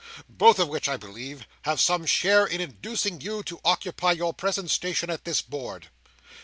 Both of which, I believe, had some share in inducing you to occupy your present station at this board."